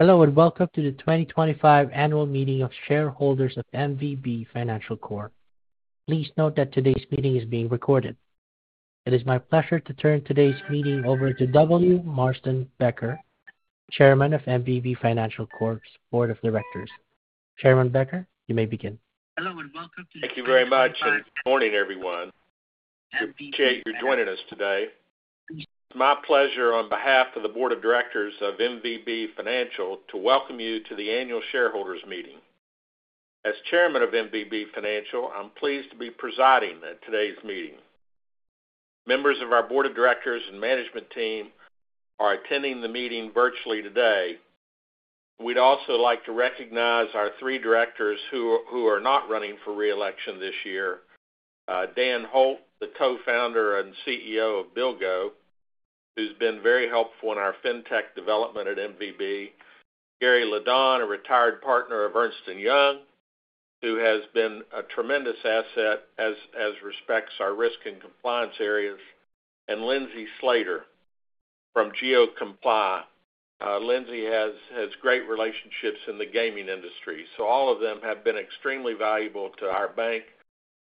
Hello, and welcome to the 2025 Annual Meeting of Shareholders of MVB Financial Corp. Please note that today's meeting is being recorded. It is my pleasure to turn today's meeting over to W. Marston Becker, Chairman of MVB Financial Corp's Board of Directors. Chairman Becker, you may begin. Thank you very much, and good morning, everyone. Appreciate you joining us today. It's my pleasure, on behalf of the Board of Directors of MVB Financial, to welcome you to the Annual Shareholders Meeting. As Chairman of MVB Financial, I'm pleased to be presiding at today's meeting. Members of our Board of Directors and management team are attending the meeting virtually today. We'd also like to recognize our three directors who are not running for re-election this year: Dan Holt, the Co-Founder and CEO of BillGO, who's been very helpful in our fintech development at MVB; Gary LeDonne, a retired partner of Ernst & Young, who has been a tremendous asset as respects our risk and compliance areas; and Lindsay Slader from GeoComply. Lindsay has great relationships in the gaming industry, so all of them have been extremely valuable to our bank.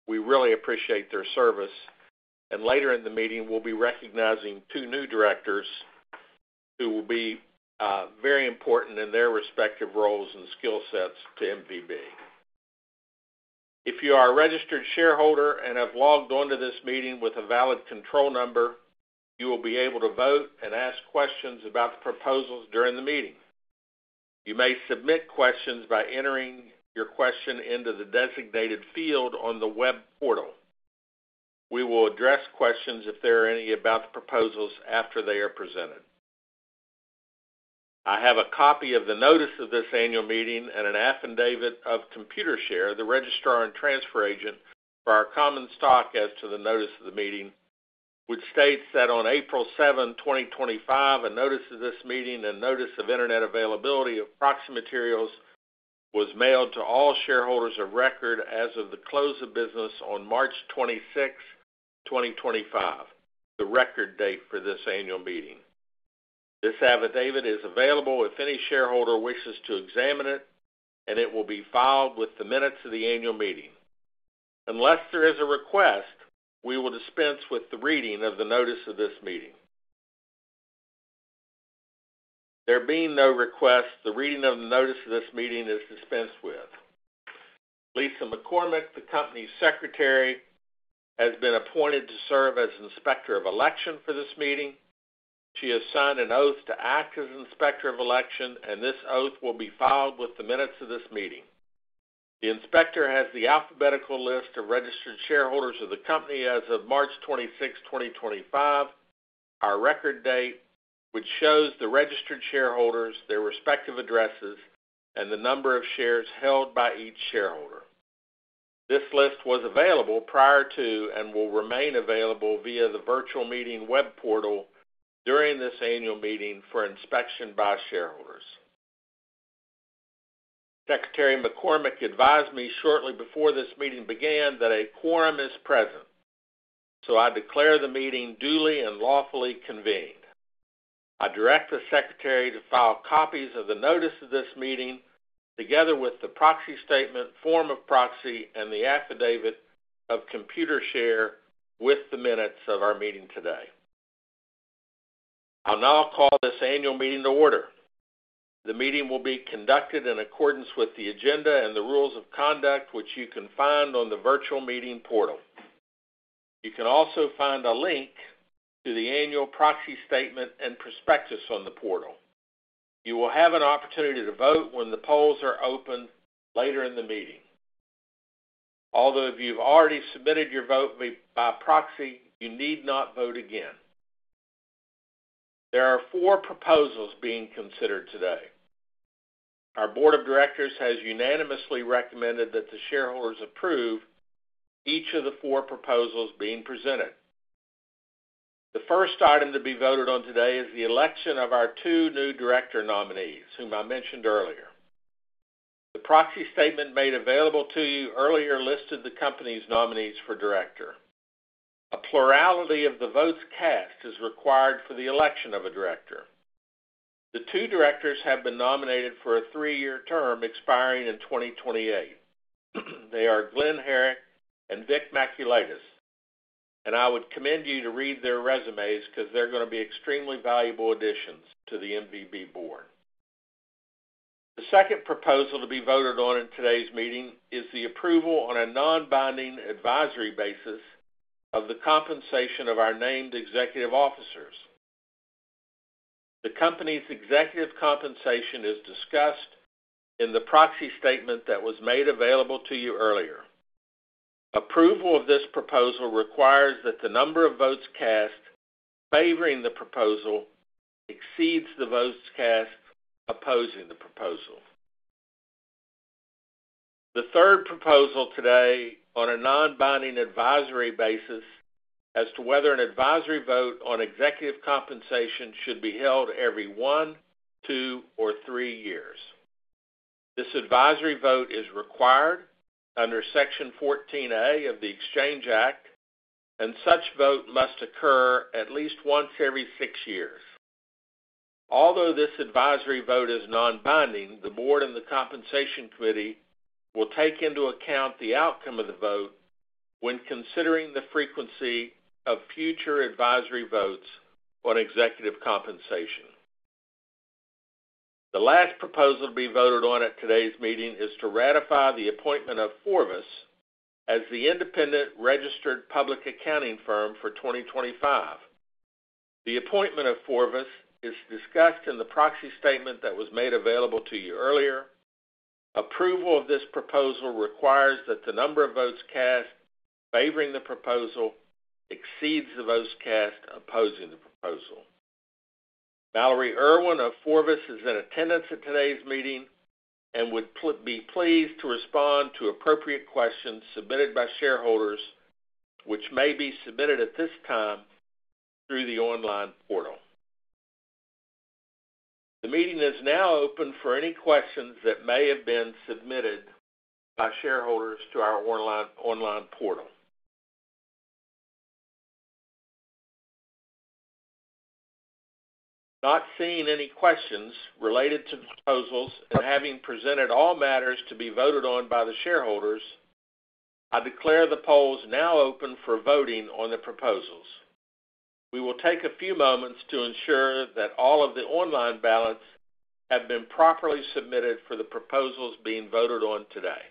We really appreciate their service. Later in the meeting, we'll be recognizing two new directors who will be very important in their respective roles and skill sets to MVB. If you are a registered shareholder and have logged onto this meeting with a valid control number, you will be able to vote and ask questions about the proposals during the meeting. You may submit questions by entering your question into the designated field on the web portal. We will address questions, if there are any, about the proposals after they are presented. I have a copy of the notice of this annual meeting and an affidavit of Computershare, the registrar and transfer agent for our common stock as to the notice of the meeting, which states that on April 7, 2025, a notice of this meeting and notice of internet availability of proxy materials was mailed to all shareholders of record as of the close of business on March 26, 2025, the record date for this annual meeting. This affidavit is available if any shareholder wishes to examine it, and it will be filed with the minutes of the annual meeting. Unless there is a request, we will dispense with the reading of the notice of this meeting. There being no request, the reading of the notice of this meeting is dispensed with. Lisa McCormick, the company's secretary, has been appointed to serve as Inspector of Election for this meeting. She has signed an oath to act as Inspector of Election, and this oath will be filed with the minutes of this meeting. The inspector has the alphabetical list of registered shareholders of the company as of March 26, 2025, our record date, which shows the registered shareholders, their respective addresses, and the number of shares held by each shareholder. This list was available prior to and will remain available via the virtual meeting web portal during this annual meeting for inspection by shareholders. Secretary McCormick advised me shortly before this meeting began that a quorum is present, so I declare the meeting duly and lawfully convened. I direct the secretary to file copies of the notice of this meeting together with the proxy statement, form of proxy, and the affidavit of Computershare with the minutes of our meeting today. I'll now call this annual meeting to order. The meeting will be conducted in accordance with the agenda and the rules of conduct, which you can find on the virtual meeting portal. You can also find a link to the annual proxy statement and prospectus on the portal. You will have an opportunity to vote when the polls are open later in the meeting. Although if you've already submitted your vote by proxy, you need not vote again. There are four proposals being considered today. Our Board of Directors has unanimously recommended that the shareholders approve each of the four proposals being presented. The first item to be voted on today is the election of our two new director nominees, whom I mentioned earlier. The proxy statement made available to you earlier listed the company's nominees for director. A plurality of the votes cast is required for the election of a director. The two directors have been nominated for a three-year term expiring in 2028. They are Glen Herrick and Vic Maculaitis, and I would commend you to read their resumes because they're going to be extremely valuable additions to the MVB Board. The second proposal to be voted on in today's meeting is the approval on a non-binding advisory basis of the compensation of our named executive officers. The company's executive compensation is discussed in the proxy statement that was made available to you earlier. Approval of this proposal requires that the number of votes cast favoring the proposal exceeds the votes cast opposing the proposal. The third proposal today, on a non-binding advisory basis, is to whether an advisory vote on executive compensation should be held every one, two, or three years. This advisory vote is required under Section 14A of the Exchange Act, and such vote must occur at least once every six years. Although this advisory vote is non-binding, the Board and the Compensation Committee will take into account the outcome of the vote when considering the frequency of future advisory votes on executive compensation. The last proposal to be voted on at today's meeting is to ratify the appointment of Forvis as the independent registered public accounting firm for 2025. The appointment of Forvis is discussed in the proxy statement that was made available to you earlier. Approval of this proposal requires that the number of votes cast favoring the proposal exceeds the votes cast opposing the proposal. Mallory Irwin of Forvis is in attendance at today's meeting and would be pleased to respond to appropriate questions submitted by shareholders, which may be submitted at this time through the online portal. The meeting is now open for any questions that may have been submitted by shareholders to our online portal. Not seeing any questions related to the proposals and having presented all matters to be voted on by the shareholders, I declare the polls now open for voting on the proposals. We will take a few moments to ensure that all of the online ballots have been properly submitted for the proposals being voted on today.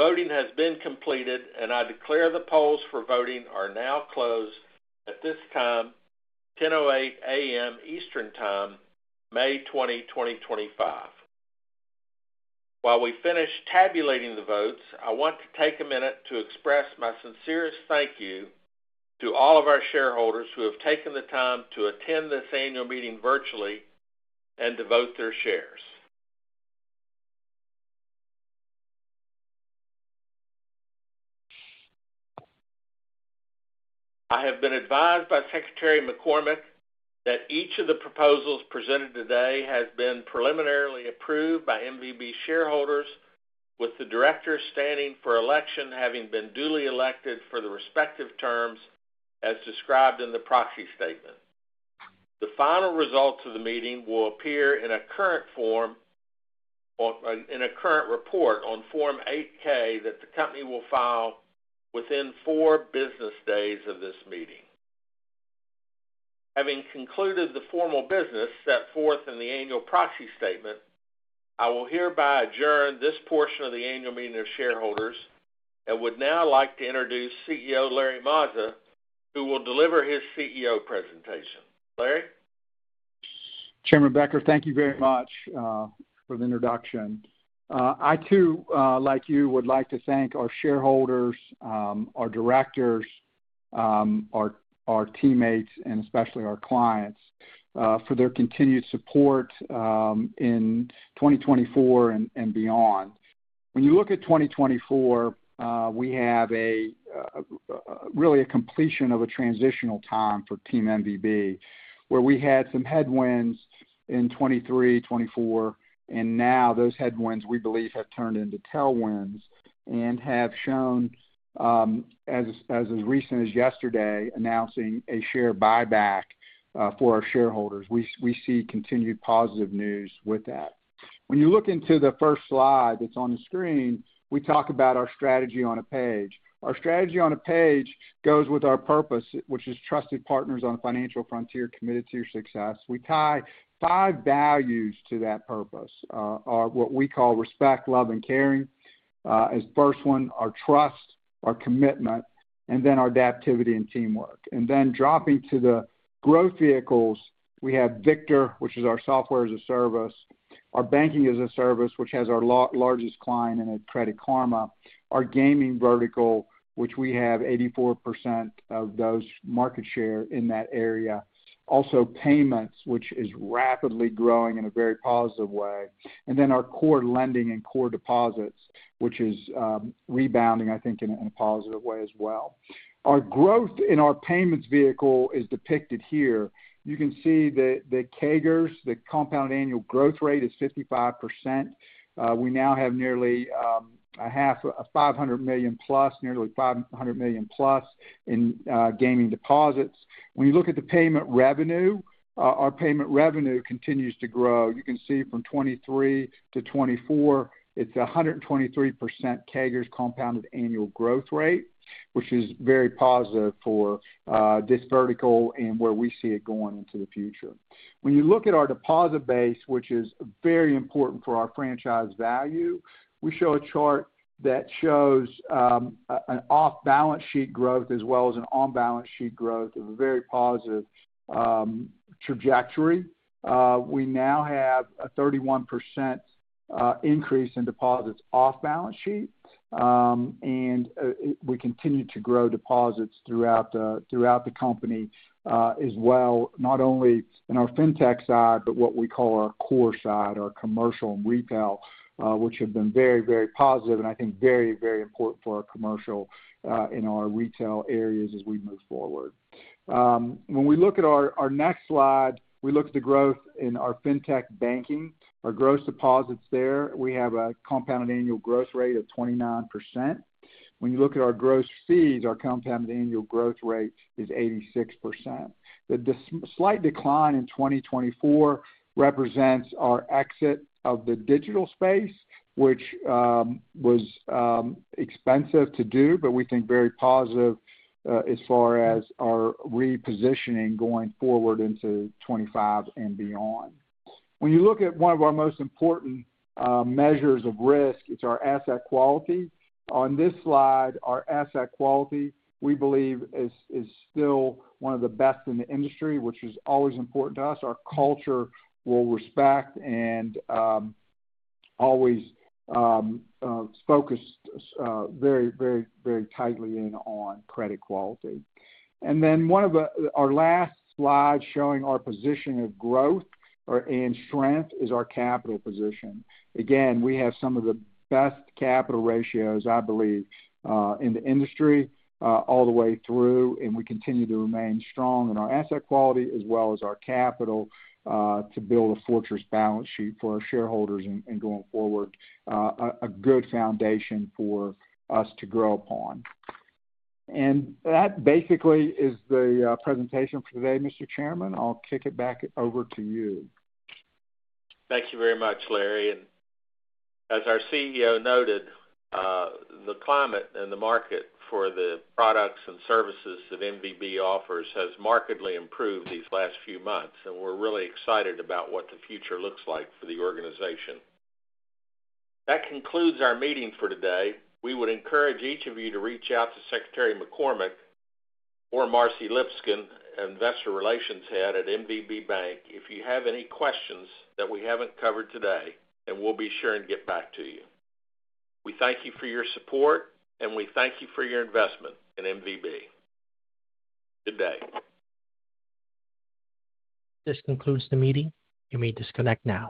The voting has been completed, and I declare the polls for voting are now closed at this time, 10:08 A.M. Eastern Time, May 20, 2025. While we finish tabulating the votes, I want to take a minute to express my sincerest thank you to all of our shareholders who have taken the time to attend this annual meeting virtually and to vote their shares. I have been advised by Secretary McCormick that each of the proposals presented today has been preliminarily approved by MVB shareholders, with the directors standing for election having been duly elected for the respective terms as described in the proxy statement. The final results of the meeting will appear in a current report on Form 8-K that the company will file within four business days of this meeting. Having concluded the formal business set forth in the annual proxy statement, I will hereby adjourn this portion of the annual meeting of shareholders and would now like to introduce CEO Larry Mazza, who will deliver his CEO presentation. Larry? Chairman Becker, thank you very much for the introduction. I, too, like you, would like to thank our shareholders, our directors, our teammates, and especially our clients for their continued support in 2024 and beyond. When you look at 2024, we have really a completion of a transitional time for Team MVB, where we had some headwinds in 2023, 2024, and now those headwinds, we believe, have turned into tailwinds and have shown, as recent as yesterday, announcing a share buyback for our shareholders. We see continued positive news with that. When you look into the first slide that's on the screen, we talk about our strategy on a page. Our strategy on a page goes with our purpose, which is trusted partners on the financial frontier committed to your success. We tie five values to that purpose, what we call respect, love, and caring. As the first one, our trust, our commitment, and then our adaptivity and teamwork. Dropping to the growth vehicles, we have Victor, which is our software as a service. Our banking as a service, which has our largest client in Credit Karma. Our gaming vertical, which we have 84% of the market share in that area. Also, payments, which is rapidly growing in a very positive way. Our core lending and core deposits, which is rebounding, I think, in a positive way as well. Our growth in our payments vehicle is depicted here. You can see the CAGRs, the compound annual growth rate, is 55%. We now have nearly $500 million plus, nearly $500 million plus in gaming deposits. When you look at the payment revenue, our payment revenue continues to grow. You can see from 2023 to 2024, it's 123% CAGR, compounded annual growth rate, which is very positive for this vertical and where we see it going into the future. When you look at our deposit base, which is very important for our franchise value, we show a chart that shows an off-balance sheet growth as well as an on-balance sheet growth of a very positive trajectory. We now have a 31% increase in deposits off-balance sheet, and we continue to grow deposits throughout the company as well, not only in our fintech side, but what we call our core side, our commercial and retail, which have been very, very positive and I think very, very important for our commercial and our retail areas as we move forward. When we look at our next slide, we look at the growth in our fintech banking, our gross deposits there. We have a compounded annual growth rate of 29%. When you look at our gross fees, our compounded annual growth rate is 86%. The slight decline in 2024 represents our exit of the digital space, which was expensive to do, but we think very positive as far as our repositioning going forward into 2025 and beyond. When you look at one of our most important measures of risk, it's our asset quality. On this slide, our asset quality, we believe, is still one of the best in the industry, which is always important to us. Our culture will respect and always focus very, very, very tightly in on credit quality. One of our last slides showing our position of growth and strength is our capital position. Again, we have some of the best capital ratios, I believe, in the industry all the way through, and we continue to remain strong in our asset quality as well as our capital to build a fortress balance sheet for our shareholders and going forward, a good foundation for us to grow upon. That basically is the presentation for today, Mr. Chairman. I'll kick it back over to you. Thank you very much, Larry. As our CEO noted, the climate and the market for the products and services that MVB offers has markedly improved these last few months, and we're really excited about what the future looks like for the organization. That concludes our meeting for today. We would encourage each of you to reach out to Secretary McCormick or Marcie Lipscomb, Investor Relations Head at MVB Bank, if you have any questions that we haven't covered today, and we'll be sure and get back to you. We thank you for your support, and we thank you for your investment in MVB. Good day. This concludes the meeting. You may disconnect now.